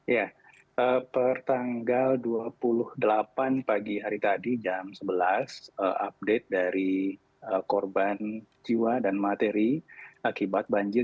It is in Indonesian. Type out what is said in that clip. ya pertanggal dua puluh delapan pagi hari tadi jam sebelas update dari korban jiwa dan materi akibat banjir